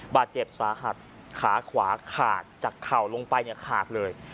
บาดเจ็บสาหัสขาขวาขาดจากเข่าลงไปเนี่ยขาดเลย